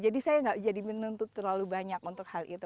jadi saya tidak jadi menuntut terlalu banyak untuk hal itu